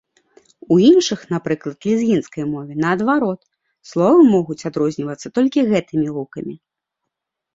У іншых, напрыклад лезгінскай мове, наадварот, словы могуць адрознівацца толькі гэтымі гукамі.